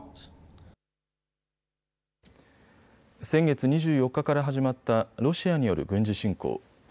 先月２４日から始まったロシアによる軍事侵攻。